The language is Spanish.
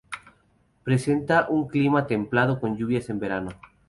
Presenta un clima templado, con lluvias en verano.